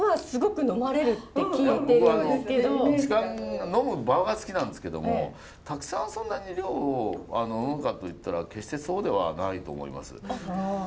僕は呑む場が好きなんですけどもたくさんそんなに量を呑むかといったら決してそうではないと思います。